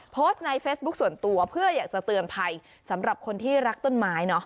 โพสต์ในเฟซบุ๊คส่วนตัวเพื่ออยากจะเตือนภัยสำหรับคนที่รักต้นไม้เนอะ